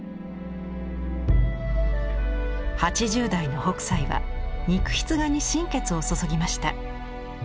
８０代の北斎は肉筆画に心血を注ぎました。